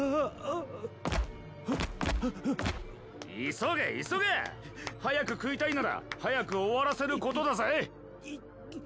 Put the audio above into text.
急げ急げッ！早く食いたいなら早く終わらせることだぜッ！